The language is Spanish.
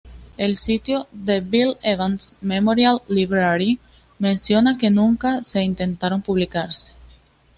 El sitio "The Bill Evans Memorial Library" menciona que nunca se intentaron publicarse.